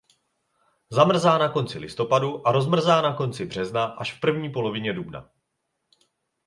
Zamrzá na konci listopadu a rozmrzá na konci března až v první polovině dubna.